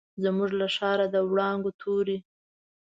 زموږ له ښاره، د وړانګو توري